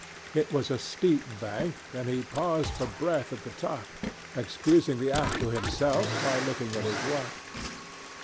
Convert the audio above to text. It was a steep bank, and he paused for breath at the top, excusing the act to himself by looking at his watch.